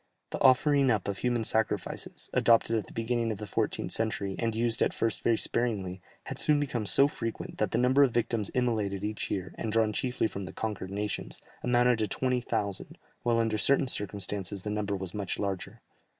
The offering up of human sacrifices, adopted at the beginning of the 14th century, and used at first very sparingly, had soon become so frequent, that the number of victims immolated each year, and drawn chiefly from the conquered nations, amounted to 20,000, while under certain circumstances the number was much larger.